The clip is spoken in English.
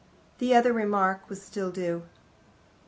The other remark was still due.